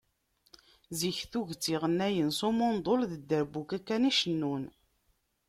Zik tuget iɣennayen s umundol d dderbuka kan i cennun.